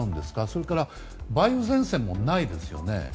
それから梅雨前線もないですよね。